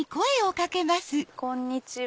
こんにちは。